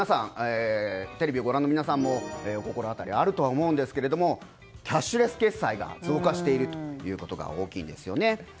テレビをご覧の皆さんもお心当たりがあると思うんですけれどもキャッシュレス決済が増加しているということが大きいんですよね。